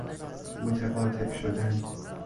متقاطع شدن